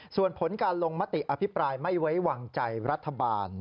ส่วนผลการลงมติอภิปรายไม่ไว้วางใจรัฐบาล